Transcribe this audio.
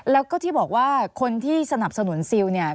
แล้วก็ที่บอกว่าคนที่สนับสนุนซิลเนี่ย